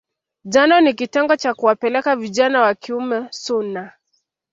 Jando ni kitendo cha kuwapeleka vijana wa kiume sunnah